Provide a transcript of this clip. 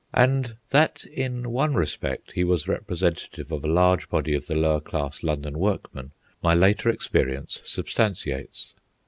And that in one respect he was representative of a large body of the lower class London workman, my later experience substantiates.